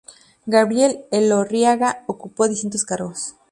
Gabriel Elorriaga ocupó distintos cargos.